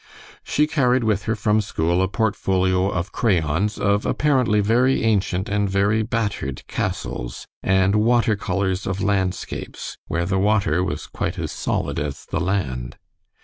She carried with her from school a portfolio of crayons of apparently very ancient and very battered castles; and water colors of landscapes, where the water was quite as solid as the land.